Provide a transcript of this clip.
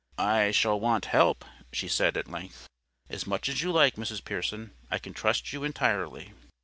"I shall want help," she said, at length. "As much as you like, Mrs. Pearson. I can trust you entirely."